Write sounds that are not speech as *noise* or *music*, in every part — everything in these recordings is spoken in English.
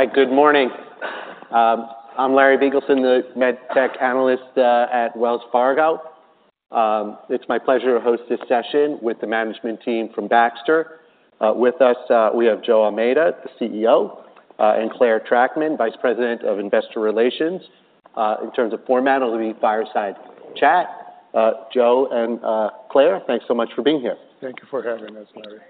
Hi, good morning. I'm Larry Biegelsen, the med tech analyst at Wells Fargo. It's my pleasure to host this session with the management team from Baxter. With us, we have Joe Almeida, the CEO, and Clare Trachtman, Vice President of Investor Relations. In terms of format, it'll be fireside chat. Joe and Clare, thanks so much for being here. Thank you for having us, Larry.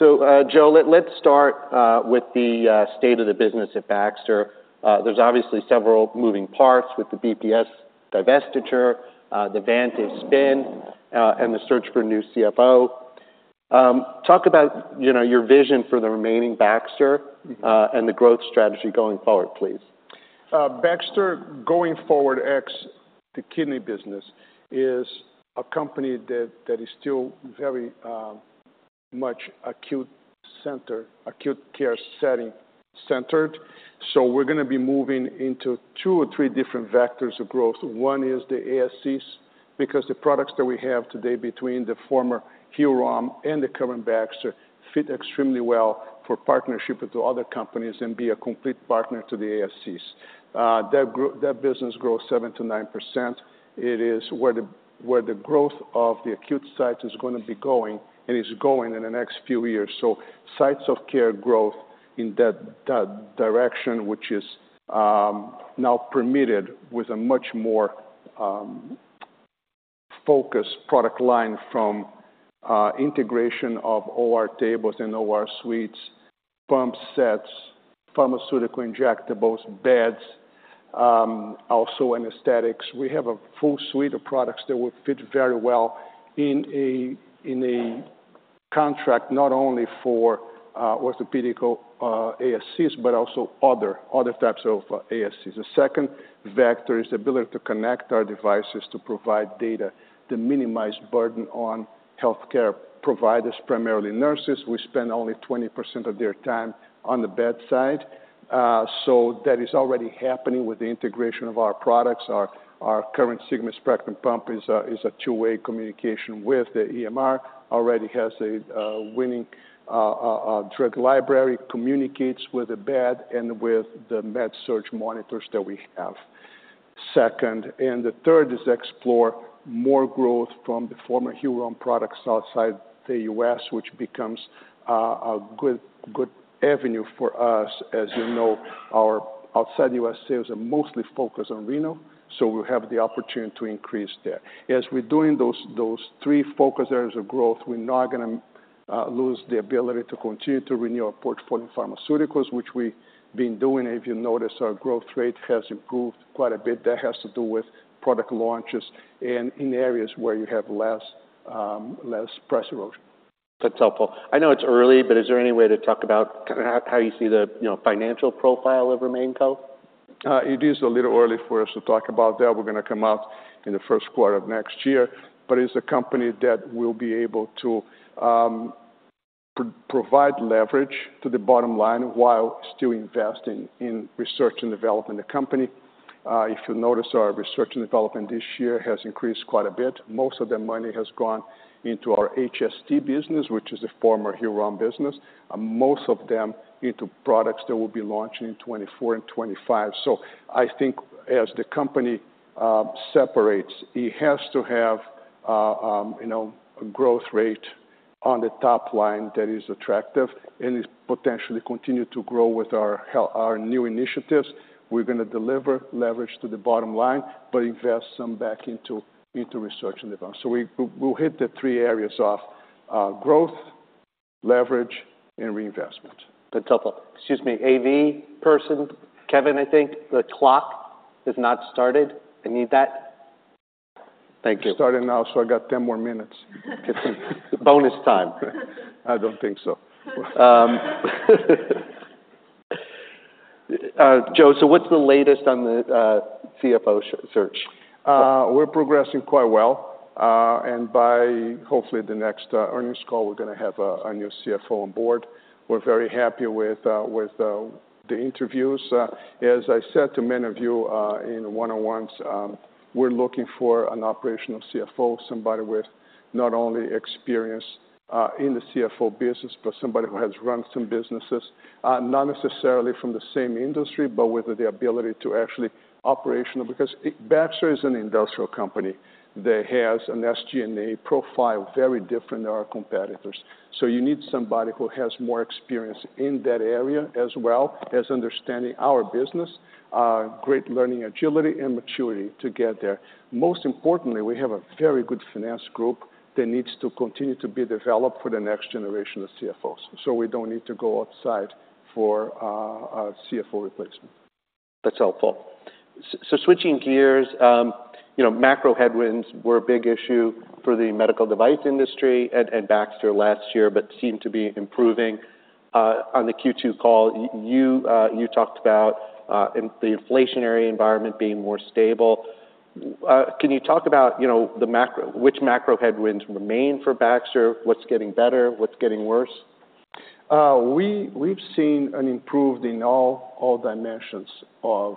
So, Joe, let's start with the state of the business at Baxter. There's obviously several moving parts with the BPS divestiture, the Vantive spin, and the search for a new CFO. Talk about, you know, your vision for the remaining Baxter- Mm-hmm. the growth strategy going forward, please. Baxter, going forward, ex the kidney business, is a company that is still very much acute care setting centered. So we're gonna be moving into two or three different vectors of growth. One is the ASCs, because the products that we have today between the former Hill-Rom and the current Baxter fit extremely well for partnership with the other companies and be a complete partner to the ASCs. That business grows 7%-9%. It is where the growth of the acute site is gonna be going, and is going in the next few years. So sites of care growth in that direction, which is now permitted with a much more focused product line from integration of OR tables and OR suites, pump sets, pharmaceutical injectables, beds, also anesthetics. We have a full suite of products that would fit very well in a contract, not only for orthopedic ASCs, but also other types of ASCs. The second vector is the ability to connect our devices to provide data to minimize burden on healthcare providers, primarily nurses, who spend only 20% of their time on the bedside. So that is already happening with the integration of our products. Our current Sigma Spectrum pump is a two-way communication with the EMR, already has a winning drug library, communicates with the bed and with the med-surg monitors that we have. Second, and the third is explore more growth from the former Hillrom products outside the U.S., which becomes a good avenue for us. As you know, our outside U.S. sales are mostly focused on renal, so we have the opportunity to increase that. As we're doing those three focus areas of growth, we're not gonna lose the ability to continue to renew our portfolio in pharmaceuticals, which we've been doing. If you notice, our growth rate has improved quite a bit. That has to do with product launches and in areas where you have less price erosion. That's helpful. I know it's early, but is there any way to talk about how, how you see the, you know, financial profile of RemainCo? It is a little early for us to talk about that. We're gonna come out in the first quarter of next year. But it's a company that will be able to provide leverage to the bottom line while still investing in research and development the company. If you notice, our research and development this year has increased quite a bit. Most of that money has gone into our HST business, which is the former Hillrom business, and most of them into products that will be launching in 2024 and 2025. So I think as the company separates, it has to have, you know, a growth rate on the top line that is attractive and is potentially continue to grow with our our new initiatives. We're gonna deliver leverage to the bottom line, but invest some back into research and development. So we'll hit the three areas of: growth, leverage, and reinvestment. That's helpful. Excuse me, AV person, Kevin, I think the clock has not started. I need that. Thank you. It's starting now, so I got 10 more minutes. Bonus time. I don't think so. Joe, so what's the latest on the CFO search? We're progressing quite well. And by hopefully the next earnings call, we're gonna have a new CFO on board. We're very happy with the interviews. As I said to many of you in one-on-ones, we're looking for an operational CFO, somebody with not only experience in the CFO business, but somebody who has run some businesses. Not necessarily from the same industry, but with the ability to actually. Because Baxter is an industrial company that has an SG&A profile, very different than our competitors. So you need somebody who has more experience in that area, as well as understanding our business, great learning agility and maturity to get there. Most importantly, we have a very good finance group that needs to be developed for the next generation of CFOs, so we don't need to go outside for a CFO replacement. That's helpful. So switching gears, you know, macro headwinds were a big issue for the medical device industry and Baxter last year, but seem to be improving. On the Q2 call, you talked about the inflationary environment being more stable. Can you talk about, you know, the macro... Which macro headwinds remain for Baxter? What's getting better? What's getting worse? We've seen an improvement in all dimensions of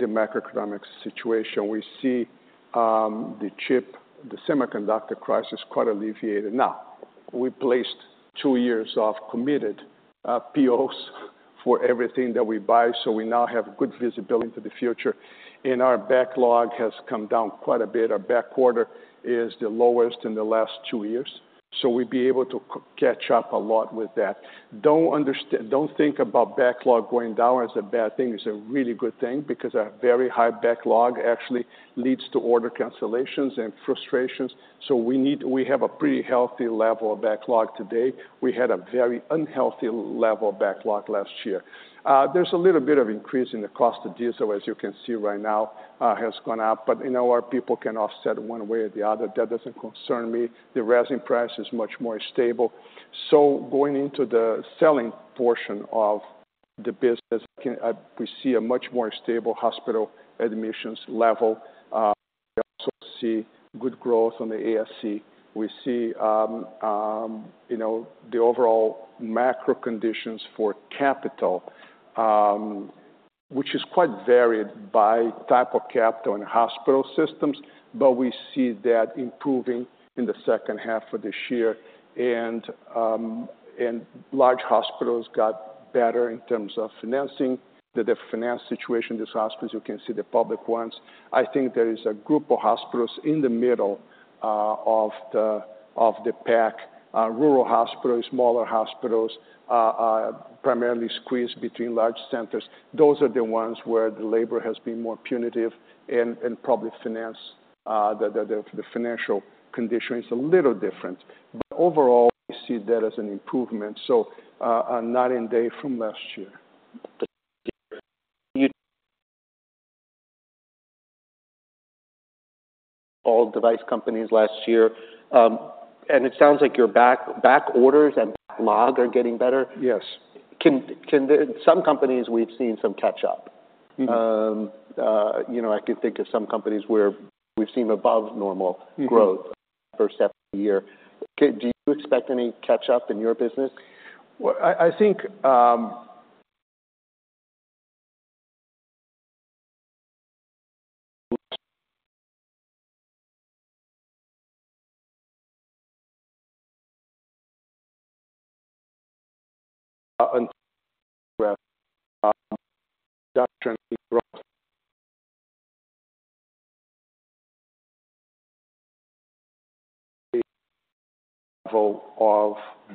the macroeconomic situation. We see the semiconductor crisis quite alleviated. Now, we placed two years of committed POs for everything that we buy, so we now have good visibility into the future, and our backlog has come down quite a bit. Our backlog is the lowest in the last two years, so we'll be able to catch up a lot with that. Don't think about backlog going down as a bad thing. It's a really good thing because a very high backlog actually leads to order cancellations and frustrations. So we have a pretty healthy level of backlog today. We had a very unhealthy level of backlog last year. There's a little bit of increase in the cost of diesel, as you can see right now, has gone up, but, you know, our people can offset one way or the other. That doesn't concern me. The resin price is much more stable. So going into the selling portion of the business, we see a much more stable hospital admissions level. We also see good growth on the ASC. We see, you know, the overall macro conditions for capital, which is quite varied by type of capital in hospital systems, but we see that improving in the second half of this year. And large hospitals got better in terms of financing. The finance situation, these hospitals, you can see the public ones. I think there is a group of hospitals in the middle of the pack, rural hospitals, smaller hospitals, primarily squeezed between large centers. Those are the ones where the labor has been more punitive and probably the financial condition is a little different. But overall, we see that as an improvement. So, night and day from last year. All device companies last year. It sounds like your backorders and backlog are getting better? Yes. Can the... Some companies we've seen some catch up. Mm-hmm. You know, I can think of some companies where we've seen above normal- Mm-hmm. -growth first half of the year. Okay, do you expect any catch-up in your business? Well, I think...Well, production- *audio distortion* of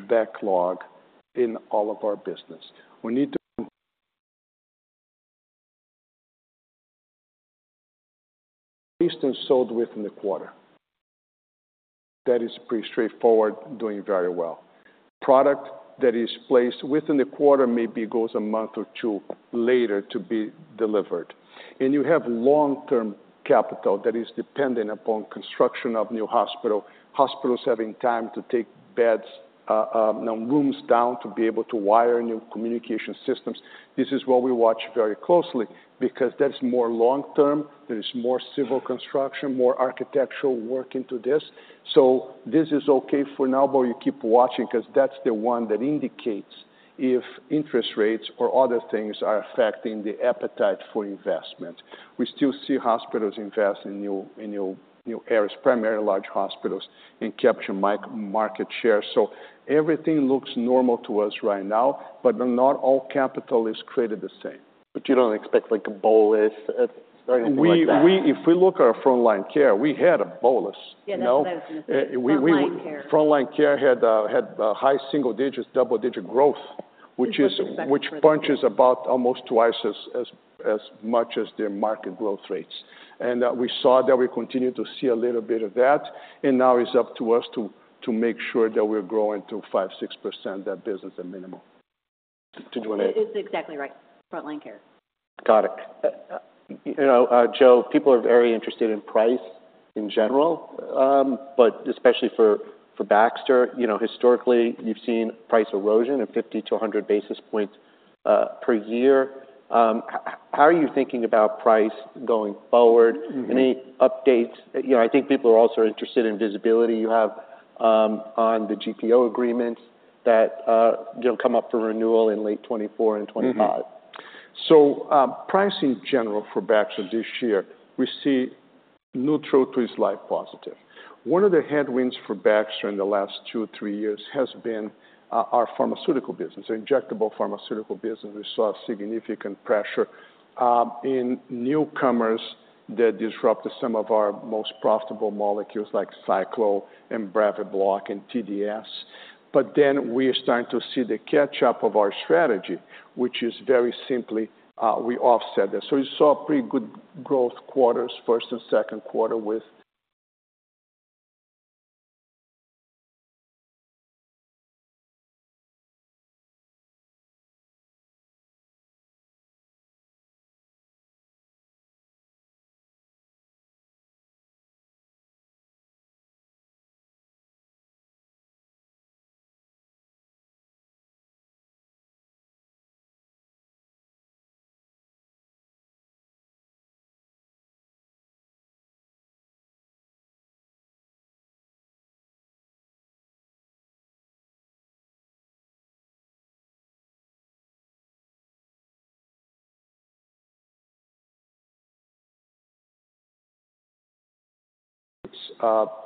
backlog in all of our business. We need to *audio distortion* within the quarter. That is pretty straightforward, doing very well. Product that is placed within the quarter, maybe goes a month or two later to be delivered. And you have long-term capital that is dependent upon construction of new hospital. Hospitals having time to take beds, now, rooms down to be able to wire new communication systems. This is what we watch very closely because that's more long term. There's more civil construction, more architectural work into this. So this is okay for now, but you keep watching because that's the one that indicates if interest rates or other things are affecting the appetite for investment. We still see hospitals invest in new, in new, new areas, primarily large hospitals, and capture market share. Everything looks normal to us right now, but not all capital is created the same. You don't expect, like, a bolus or anything like that? If we look at our Frontline Care, we had a bolus, you know? Yeah, that's what I was gonna say. Frontline Care. Frontline Care had high single digits, double-digit growth—which is what you expect, which punches about almost twice as much as their market growth rates. And we saw that. We continue to see a little bit of that, and now it's up to us to make sure that we're growing to 5-6%, that business at minimum. *crosstalk* It is exactly right. Frontline Care. Got it. You know, Joe, people are very interested in price in general, but especially for, for Baxter. You know, historically, you've seen price erosion of 50-100 basis points per year. How are you thinking about price going forward? Mm-hmm. Any updates? You know, I think people are also interested in visibility you have on the GPO agreements that they'll come up for renewal in late 2024 and 2025. Mm-hmm. So, price in general for Baxter this year, we see neutral to slight positive. One of the headwinds for Baxter in the last two, three years has been our pharmaceutical business. Our injectable pharmaceutical business, we saw significant pressure in newcomers that disrupted some of our most profitable molecules, like Cyclophosphamide and Brevibloc and TDS. But then we are starting to see the catch-up of our strategy, which is very simply, we offset that. So you saw pretty good growth quarters, first and second quarter, with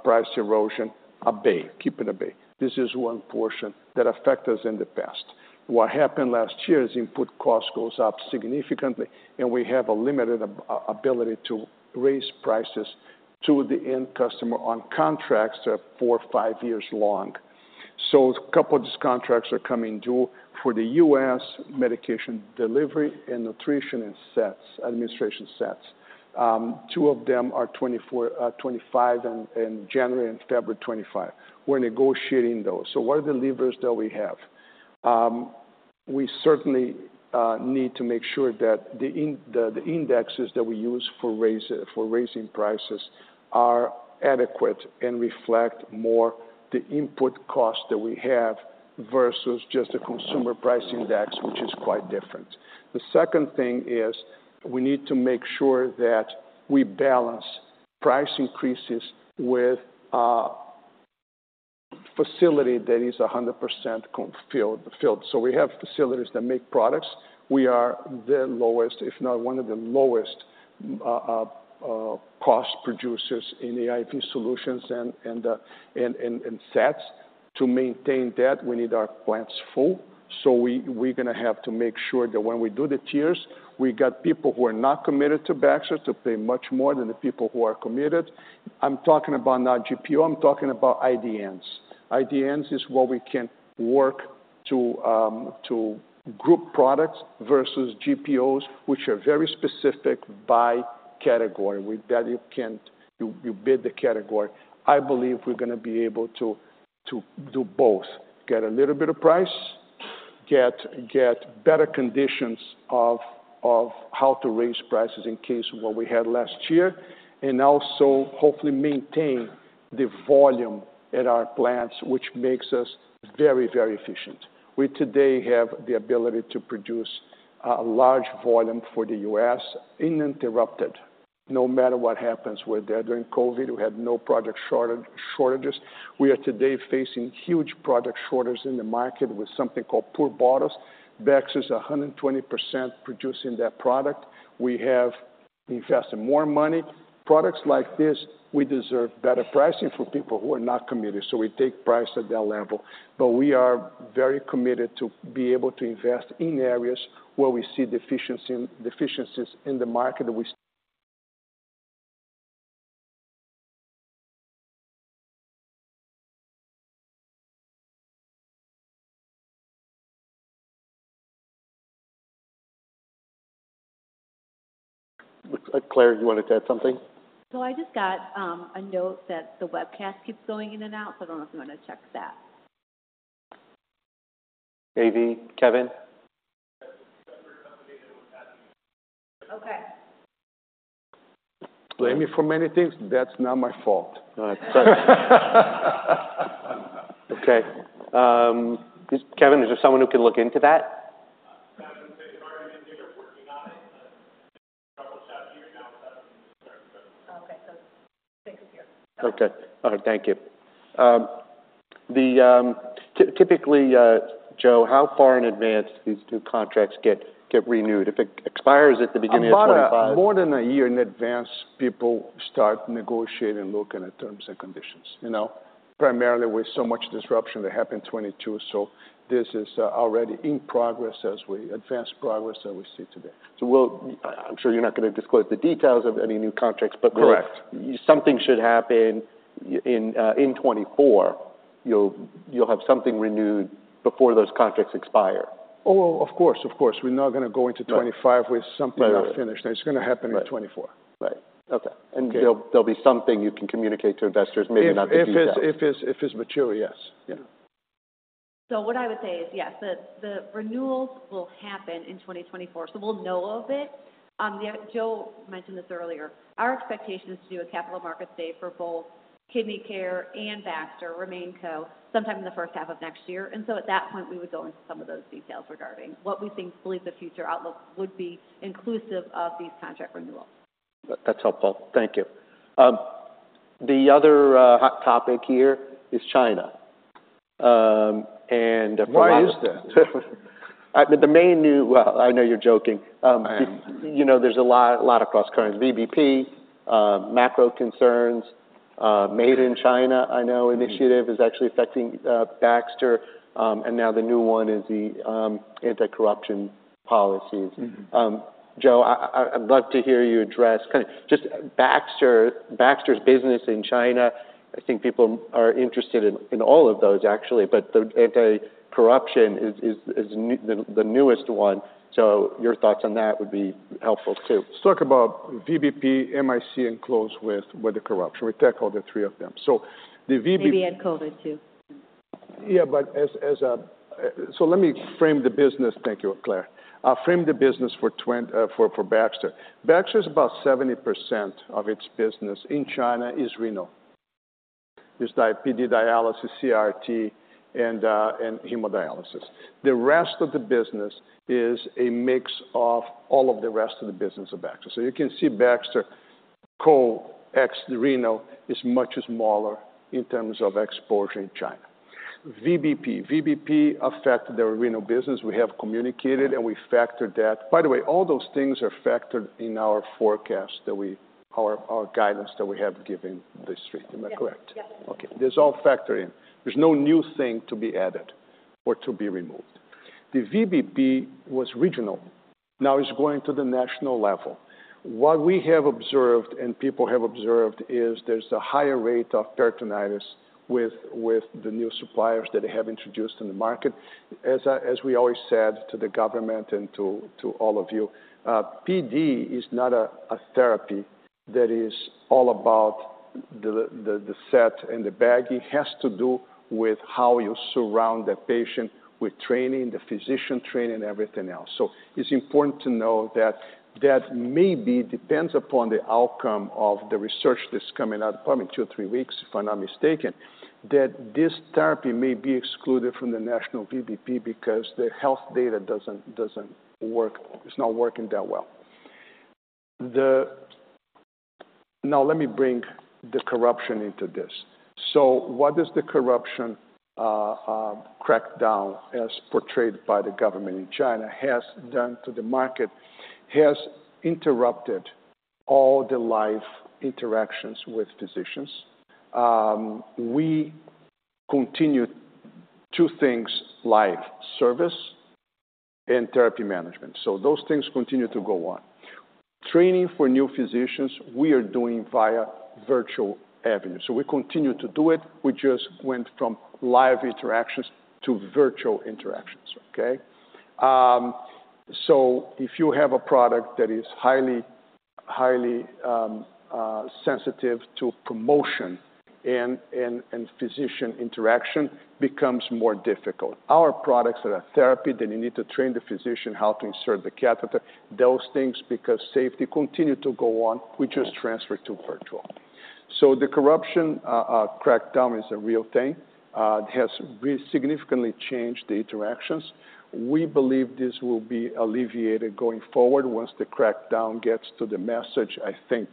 price erosion at bay, keeping at bay. This is one portion that affect us in the past. What happened last year is input cost goes up significantly, and we have a limited ability to raise prices to the end customer on contracts that are four or five years long. So a couple of these contracts are coming due for the U.S. medication delivery and nutrition and sets, administration sets. Two of them are 2024, 2025, in January and February 2025. We're negotiating those. So what are the levers that we have? We certainly need to make sure that the indexes that we use for raising prices are adequate and reflect more the input costs that we have versus just the consumer price index, which is quite different. The second thing is, we need to make sure that we balance price increases with a facility that is 100% filled. So we have facilities that make products. We are the lowest, if not one of the lowest, cost producers in the IV solutions and sets. To maintain that, we need our plants full. So we, we're gonna have to make sure that when we do the tiers, we got people who are not committed to Baxter to pay much more than the people who are committed. I'm talking about not GPO, I'm talking about IDNs. IDNs is where we can work to, to group products versus GPOs, which are very specific by category. With that, you can't- you, you bid the category. I believe we're gonna be able to, to do both, get a little bit of price, get, get better conditions of, of how to raise prices in case what we had last year, and also hopefully maintain the volume at our plants, which makes us very, very efficient. We today have the ability to produce a large volume for the U.S. uninterrupted, no matter what happens with that. During COVID, we had no product shortage, shortages. We are today facing huge product shortages in the market with something called Pour Bottles. Baxter is 120% producing that product. We have invested more money. Products like this, we deserve better pricing for people who are not committed, so we take price at that level. But we are very committed to be able to invest in areas where we see deficiency- deficiencies in the market that we- Looks like, Clare, you wanted to add something? So I just got a note that the webcast keeps going in and out, so I don't know if you want to check that. AV, Kevin? Okay. Blame me for many things. That's not my fault. All right. Okay, Kevin, is there someone who can look into that? Okay, so I think he's here. Okay. All right, thank you. Typically, Joe, how far in advance these two contracts get renewed? If it expires at the beginning of 2025 About more than a year in advance, people start negotiating and looking at terms and conditions. You know, primarily with so much disruption that happened in 2022. So this is already in progress as advanced progress that we see today. I'm sure you're not going to disclose the details of any new contracts, but- Correct. Something should happen in 2024. You'll have something renewed before those contracts expire. Oh, of course, of course. We're not gonna go into 2025 No. with something not finished. Right. It's gonna happen in 2024. Right. Okay. Okay. And there'll be something you can communicate to investors, maybe not the details. If it's mature, yes. Yeah. So what I would say is, yes, the renewals will happen in 2024, so we'll know of it. Joe mentioned this earlier. Our expectation is to do a capital markets day for both Kidney Care and Baxter RemainCo sometime in the first half of next year. And so at that point, we would go into some of those details regarding what we think believe the future outlook would be inclusive of these contract renewals. That's helpful. Thank you. The other hot topic here is China, and- Why is that? Well, I know you're joking. I am. You know, there's a lot, a lot of crosscurrents, VBP, macro concerns, made in China, I know- Mm-hmm. Initiative is actually affecting Baxter. Now the new one is the anti-corruption policies. Mm-hmm. Joe, I'd love to hear you address kind of just Baxter's business in China. I think people are interested in all of those actually, but the anti-corruption is the newest one. So your thoughts on that would be helpful, too. Let's talk about VBP, MIC, and close with the corruption. We tackle the three of them. So the VBP- Maybe add COVID, too. Yeah, but as. So let me frame the business. Thank you, Clare. I'll frame the business for Baxter. Baxter is about 70% of its business in China is renal. It's the PD dialysis, CRRT, and hemodialysis. The rest of the business is a mix of all of the rest of the business of Baxter. So you can see Baxter ex the renal is much smaller in terms of exposure in China. VBP. VBP affected the renal business. We have communicated, and we factored that. By the way, all those things are factored in our forecast, that our guidance that we have given the Street. Am I correct? Yes. Yes. Okay, that's all factored in. There's no new thing to be added or to be removed. The VBP was regional, now it's going to the national level. What we have observed and people have observed is there's a higher rate of peritonitis with the new suppliers that they have introduced in the market. As we always said to the government and to all of you, PD is not a therapy that is all about the set and the bag. It has to do with how you surround the patient with training, the physician training, and everything else. So it's important to know that that may be depends upon the outcome of the research that's coming out, probably in two or three weeks, if I'm not mistaken, that this therapy may be excluded from the national VBP because the health data doesn't work. It's not working that well. Now, let me bring the corruption into this. So what does the corruption crackdown, as portrayed by the government in China, has done to the market? Has interrupted all the life interactions with physicians. We continue two things, live: service and therapy management. So those things continue to go on. Training for new physicians, we are doing via virtual avenues, so we continue to do it. We just went from live interactions to virtual interactions, okay? So if you have a product that is highly, highly sensitive to promotion and physician interaction becomes more difficult. Our products that are therapy, then you need to train the physician how to insert the catheter, those things, because safety continued to go on, we just transferred to virtual. So the corruption crackdown is a real thing. It has significantly changed the interactions. We believe this will be alleviated going forward once the crackdown gets to the message I think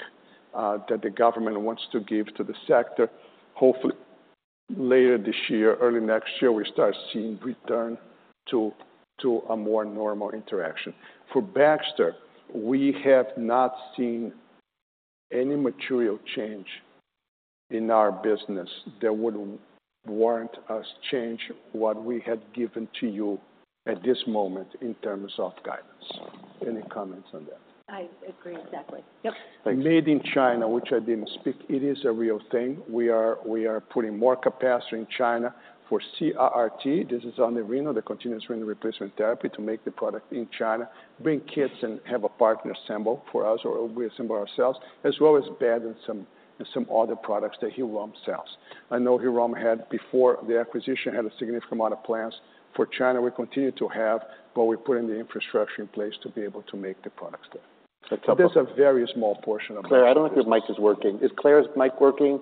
that the government wants to give to the sector. Hopefully, later this year, early next year, we start seeing return to a more normal interaction. For Baxter, we have not seen any material change in our business that would warrant us change what we had given to you at this moment in terms of guidance. Any comments on that? I agree, exactly. Yep. Made in China, which I didn't speak, it is a real thing. We are, we are putting more capacity in China for CRRT. This is on the renal, the continuous renal replacement therapy, to make the product in China, bring kits and have a partner assemble for us, or we assemble ourselves, as well as bed and some, some other products that Hillrom sells. I know Hillrom had, before the acquisition, had a significant amount of plans for China. We continue to have, but we're putting the infrastructure in place to be able to make the products there. So- This is a very small portion of- Clare, I don't know if your mic is working. Is Clare's mic working?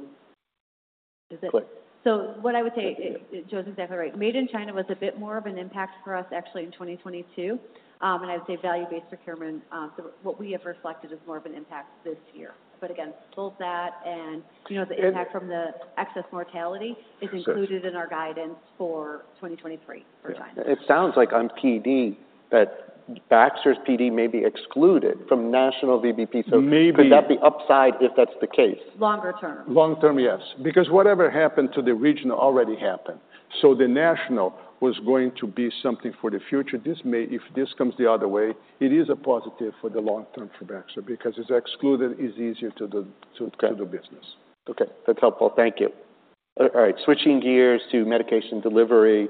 Is it- Go ahead. So what I would say, Joe's exactly right. Made in China was a bit more of an impact for us, actually, in 2022. And I'd say value-based procurement, so what we have reflected is more of an impact this year. But again, both that and, you know, the impact from the excess mortality- Yes -is included in our guidance for 2023 for China. It sounds like on PD, that Baxter's PD may be excluded from national VBP. Maybe- So could that be upside if that's the case? Longer term. Long-term, yes, because whatever happened to the regional already happened. So the national was going to be something for the future. This may—if this comes the other way, it is a positive for the long-term for Baxter, because it's excluded, it's easier to do- Okay to do business. Okay, that's helpful. Thank you. All right, switching gears to medication delivery,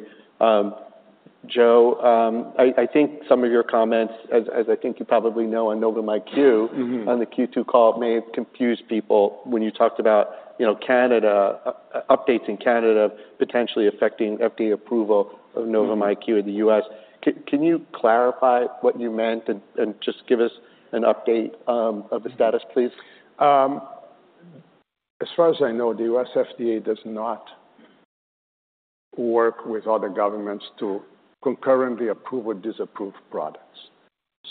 Joe, I think some of your comments, as I think you probably know, on Novum IQ- Mm-hmm -on the Q2 call, may have confused people when you talked about, you know, Canada, updates in Canada potentially affecting FDA approval of Novum IQ- Mm-hmm in the U.S.. Can you clarify what you meant and just give us an update of the status, please? As far as I know, the U.S. FDA does not work with other governments to concurrently approve or disapprove products.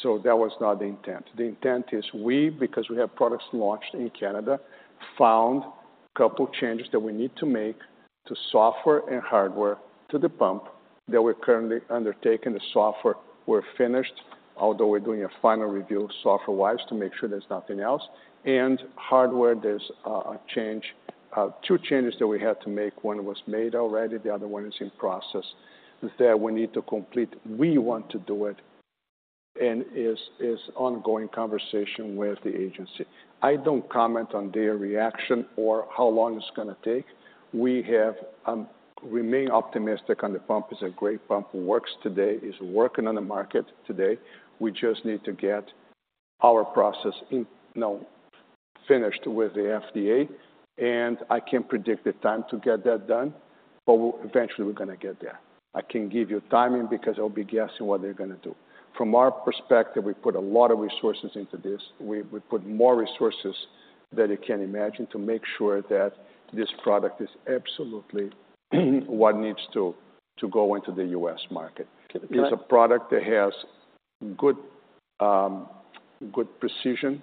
So that was not the intent. The intent is we, because we have products launched in Canada, found a couple changes that we need to make to software and hardware to the pump, that we're currently undertaking. The software, we're finished, although we're doing a final review software-wise to make sure there's nothing else. And hardware, there's a change, two changes that we had to make. One was made already, the other one is in process, that we need to complete. We want to do it, and is ongoing conversation with the agency. I don't comment on their reaction or how long it's gonna take. We have remain optimistic, and the pump is a great pump. It works today, is working on the market today. We just need to get our process in, now, finished with the FDA, and I can't predict the time to get that done, but we'll- eventually, we're gonna get there. I can't give you timing because I'll be guessing what they're gonna do. From our perspective, we put a lot of resources into this. We put more resources than you can imagine to make sure that this product is absolutely what needs to go into the U.S. market. Okay. It's a product that has good, good precision,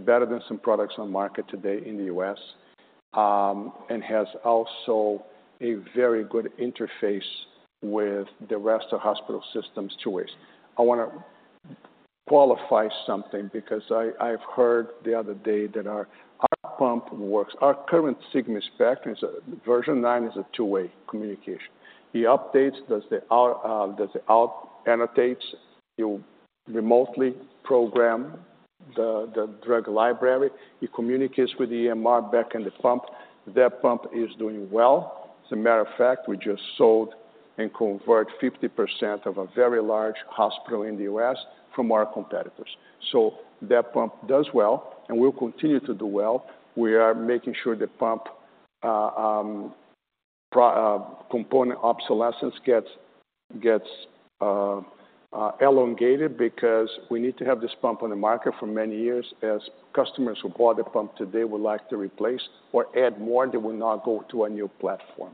better than some products on the market today in the U.S. And has also a very good interface with the rest of hospital systems two ways. I want to qualify something because I've heard the other day that our heart pump works. Our current Sigma Spectrum is version nine is a two-way communication. The updates does the out, does the out annotates. You remotely program the drug library. It communicates with the EMR back in the pump. That pump is doing well. As a matter of fact, we just sold and converted 50% of a very large hospital in the U.S. from our competitors. So that pump does well and will continue to do well. We are making sure the pump component obsolescence gets elongated because we need to have this pump on the market for many years, as customers who buy the pump today would like to replace or add more. They will not go to a new platform.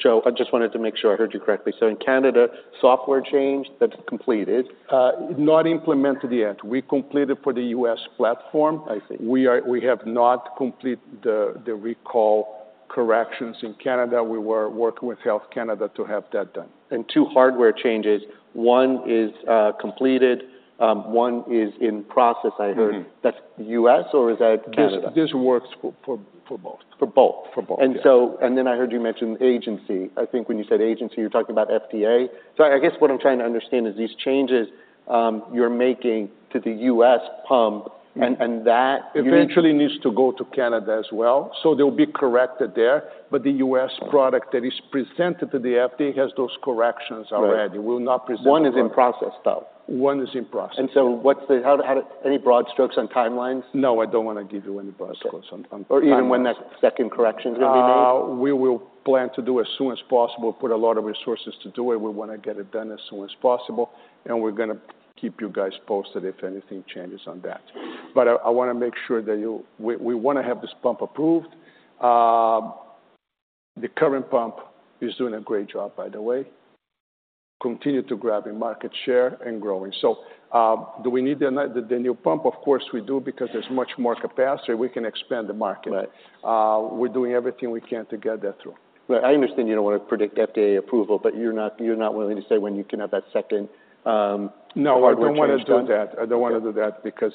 Joe, I just wanted to make sure I heard you correctly. So in Canada, software change, that's completed? Not implemented yet. We completed for the U.S. platform. I see. We have not completed the recall corrections in Canada. We were working with Health Canada to have that done. Two hardware changes. One is completed, one is in process, I heard. Mm-hmm. That's the U.S., or is that Canada? This works for both. For both? For both, yes. And then I heard you mention agency. I think when you said agency, you're talking about FDA. So I guess what I'm trying to understand is these changes you're making to the U.S. pump and that- Eventually needs to go to Canada as well, so they'll be corrected there. But the U.S. product that is presented to the FDA has those corrections already. Right. We'll not present- One is in process, though? One is in process. What's the- how, how... Any broad strokes on timelines? No, I don't want to give you any broad strokes on, on timelines. Or even when that second correction is going to be made? We will plan to do as soon as possible, put a lot of resources to do it. We want to get it done as soon as possible, and we're going to keep you guys posted if anything changes on that. But I want to make sure that we want to have this pump approved. The current pump is doing a great job, by the way, continue to grab a market share and growing. So, do we need the new pump? Of course, we do, because there's much more capacity. We can expand the market. Right. We're doing everything we can to get that through. Well, I understand you don't want to predict FDA approval, but you're not, you're not willing to say when you can have that second, No- Hardware change done? I don't want to do that. I don't want to do that. Okay. - because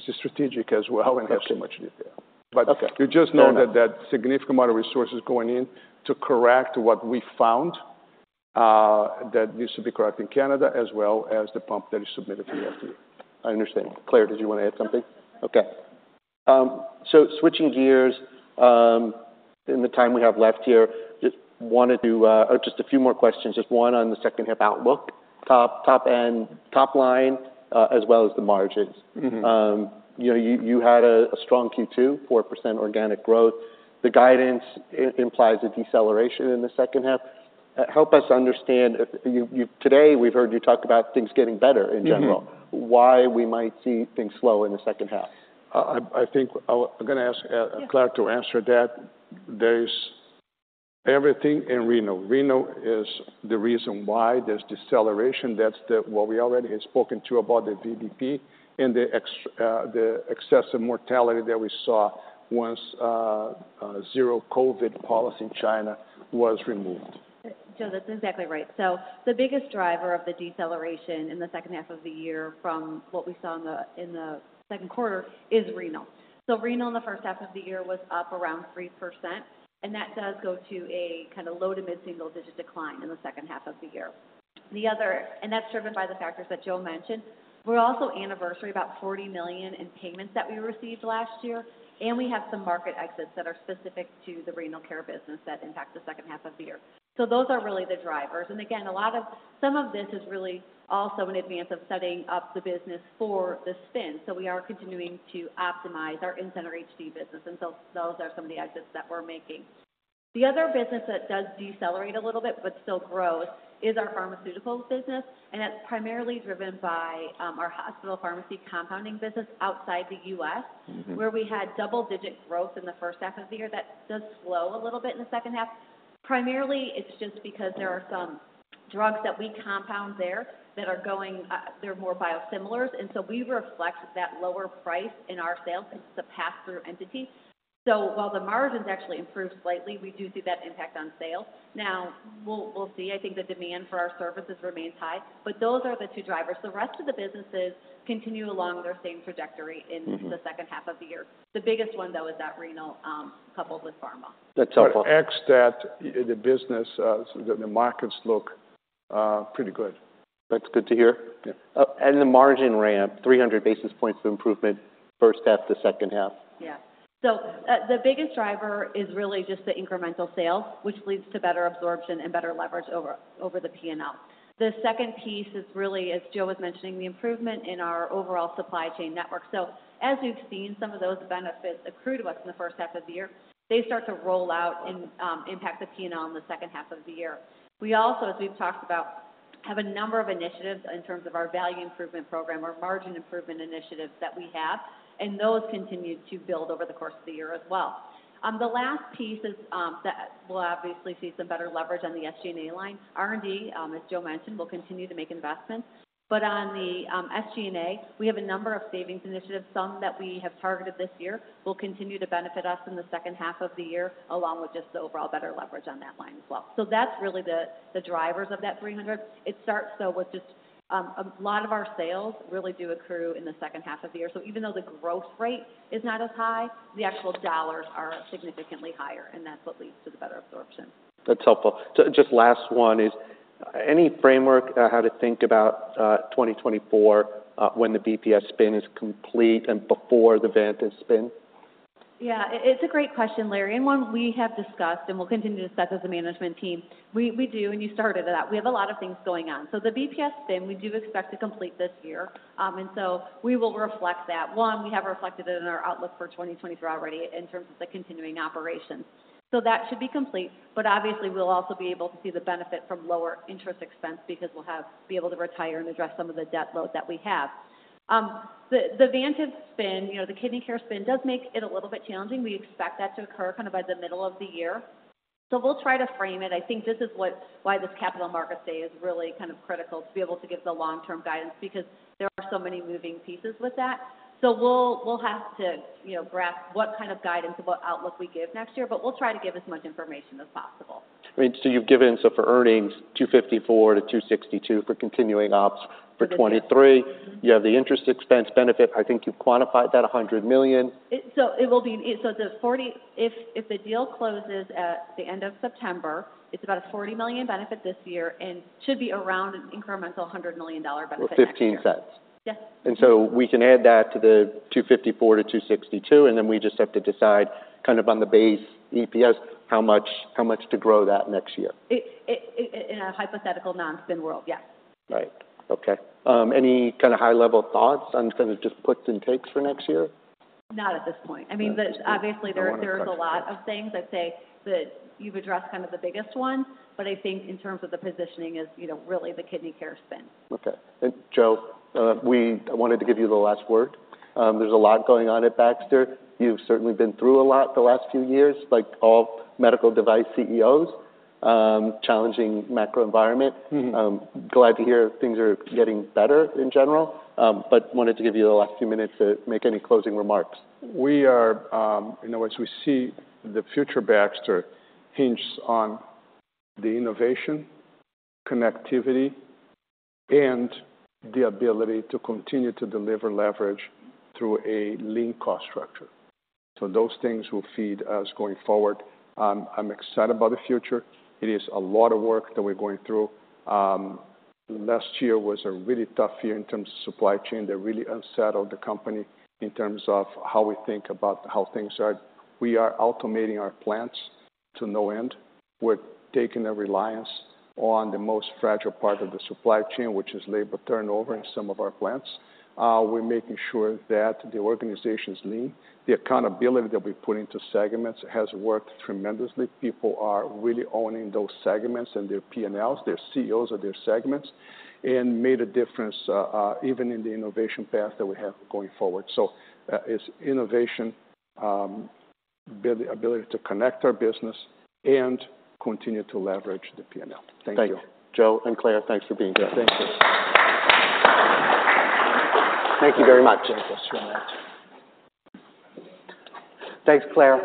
it's strategic as well and has so much detail. Okay. But you just know that- Fair enough... that significant amount of resources going in to correct what we found, that needs to be correct in Canada, as well as the pump that is submitted to the FDA. I understand. Clare, did you want to add something? Okay. So switching gears, in the time we have left here, just wanted to or just a few more questions. Just one on the second half outlook, top end, top line, as well as the margins. Mm-hmm. You know, you had a strong Q2, 4% organic growth. The guidance implies a deceleration in the second half. Help us understand. Today, we've heard you talk about things getting better in general. Mm-hmm. Why we might see things slow in the second half? I think I'm going to ask. Yeah... Clare to answer that. There's everything in renal. Renal is the reason why there's deceleration. That's what we already had spoken to about the VBP and the excessive mortality that we saw once zero COVID policy in China was removed. Joe, that's exactly right. So the biggest driver of the deceleration in the second half of the year from what we saw in the second quarter is renal. So renal in the first half of the year was up around 3%, and that does go to a kind of low- to mid-single-digit decline in the second half of the year. And that's driven by the factors that Joe mentioned. We're also anniversary about $40 million in payments that we received last year, and we have some market exits that are specific to the renal care business that impact the second half of the year. So those are really the drivers. And again, some of this is really also in advance of setting up the business for the spin. So we are continuing to optimize our In-center HD business, and so those are some of the exits that we're making. The other business that does decelerate a little bit, but still grows, is our pharmaceuticals business, and it's primarily driven by our hospital pharmacy compounding business outside the U.S.- Mm-hmm... where we had double-digit growth in the first half of the year, that does slow a little bit in the second half. Primarily, it's just because there are some drugs that we compound there that are going, they're more biosimilars, and so we reflect that lower price in our sales. It's a pass-through entity. So while the margins actually improved slightly, we do see that impact on sales. Now, we'll see. I think the demand for our services remains high, but those are the two drivers. The rest of the businesses continue along their same trajectory in- Mm-hmm - the second half of the year. The biggest one, though, is that renal, coupled with pharma. That's helpful. X stat, the business, so the markets look, pretty good. That's good to hear. Yeah. The margin ramp, 300 basis points of improvement, first half to second half? Yeah. So, the biggest driver is really just the incremental sales, which leads to better absorption and better leverage over the P&L. The second piece is really, as Joe was mentioning, the improvement in our overall supply chain network. So as we've seen, some of those benefits accrue to us in the first half of the year. They start to roll out and impact the P&L in the second half of the year. We also, as we've talked about, have a number of initiatives in terms of our value improvement program or margin improvement initiatives that we have, and those continue to build over the course of the year as well. The last piece is that we'll obviously see some better leverage on the SG&A line. R&D, as Joe mentioned, we'll continue to make investments, but on the, SG&A, we have a number of savings initiatives. Some that we have targeted this year will continue to benefit us in the second half of the year, along with just the overall better leverage on that line as well. So that's really the, the drivers of that 300. It starts, though, with just, a lot of our sales really do accrue in the second half of the year. So even though the growth rate is not as high, the actual dollars are significantly higher, and that's what leads to the better absorption. That's helpful. So just last one is, any framework on how to think about 2024, when the BPS spin is complete and before the Vantive spin? Yeah, it's a great question, Larry, and one we have discussed and will continue to discuss as a management team. We do, and you started it out. We have a lot of things going on. So the BPS spin, we do expect to complete this year. And so we will reflect that. We have reflected it in our outlook for 2023 already in terms of the continuing operations. So that should be complete, but obviously, we'll also be able to see the benefit from lower interest expense because we'll be able to retire and address some of the debt load that we have. The Vantive spin, you know, the Kidney Care spin, does make it a little bit challenging. We expect that to occur kind of by the middle of the year. So we'll try to frame it. I think this is why this Capital Markets Day is really kind of critical, to be able to give the long-term guidance because there are so many moving pieces with that. So we'll have to, you know, grasp what kind of guidance about outlook we give next year, but we'll try to give as much information as possible. I mean, so you've given, so for earnings, $2.54-$2.62 for continuing ops for 2023. Mm-hmm. You have the interest expense benefit. I think you've quantified that, $100 million. So, if the deal closes at the end of September, it's about a $40 million benefit this year and should be around an incremental $100 million benefit next year. Or $0.15? Yes. And so we can add that to the $2.54-$2.62, and then we just have to decide kind of on the base EPS, how much, how much to grow that next year. It, in a hypothetical non-spin world, yes. Right. Okay. Any kind of high-level thoughts on kind of just puts and takes for next year? Not at this point. Okay. I mean, the obviously- Don't want to speculate.... there is a lot of things I'd say that you've addressed kind of the biggest one, but I think in terms of the positioning, is, you know, really the Kidney Care spin. Okay. And Joe, I wanted to give you the last word. There's a lot going on at Baxter. You've certainly been through a lot the last few years, like all medical device CEOs. Challenging macro environment. Mm-hmm. Glad to hear things are getting better in general, but wanted to give you the last few minutes to make any closing remarks. We are, in other words, we see the future of Baxter hinges on the innovation, connectivity, and the ability to continue to deliver leverage through a lean cost structure. So those things will feed us going forward. I'm excited about the future. It is a lot of work that we're going through. Last year was a really tough year in terms of supply chain. That really unsettled the company in terms of how we think about how things are. We are automating our plants to no end. We're taking a reliance on the most fragile part of the supply chain, which is labor turnover in some of our plants. We're making sure that the organization is lean. The accountability that we put into segments has worked tremendously. People are really owning those segments and their P&Ls, they're CEOs of their segments, and made a difference, even in the innovation path that we have going forward. So, it's innovation, build the ability to connect our business and continue to leverage the P&L. Thank you. Thank you. Joe and Clare, thanks for being here. Thank you. Thank you very much. Thank you so much. Thanks, Claire.